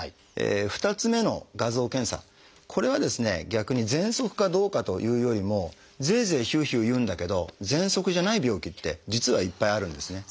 逆にぜんそくかどうかというよりもゼーゼーヒューヒューいうんだけどぜんそくじゃない病気って実はいっぱいあるんですね。